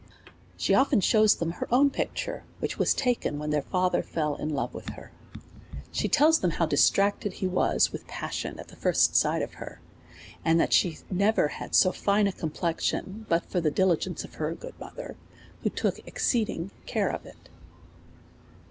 She often shews them her own picture, which was taken when their father fell in love with her. She tells them how distracted he was with passion at the first sight of her, and that she had never had so fine a complexion but for tlie diligence of her good mother, who took exceeding care of it.